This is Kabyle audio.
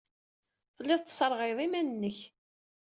Telliḍ tesserɣayeḍ iman-nnek.